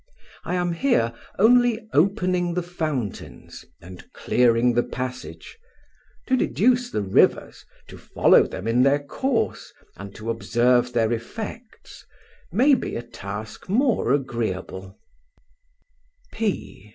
I am here only opening the fountains, and clearing the passage. To deduce the rivers, to follow them in their course, and to observe their effects, may be a task more agreeable.